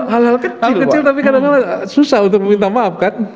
hal hal kecil kecil tapi kadang kadang susah untuk meminta maaf kan